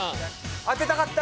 「当てたかった」！